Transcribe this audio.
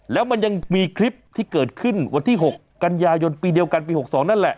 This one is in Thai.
แล้วมันยังมีคลิปที่เกิดขึ้นวันที่๖กันยายนปีเดียวกันปี๖๒นั่นแหละ